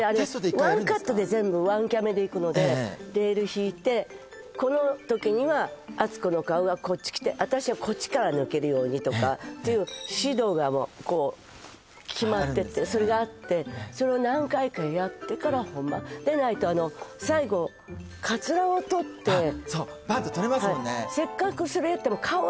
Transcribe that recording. ワンカットで全部ワンキャメでいくのでレール敷いてこの時には温子の顔がこっち来て私はこっちから抜けるようにとかっていう指導がもうこう決まっててそれがあってそれを何回かやってから本番でないと最後カツラを取ってあっそうバッと取れますもんね